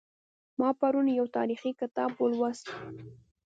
ما پرون یو تاریخي کتاب ولوست